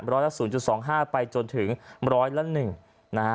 ร้อยละ๐๒๕ไปจนถึงร้อยละ๑นะฮะ